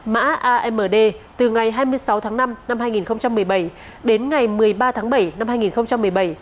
mã amd từ ngày hai mươi sáu tháng năm năm hai nghìn một mươi bảy đến ngày một mươi ba tháng bảy năm hai nghìn một mươi bảy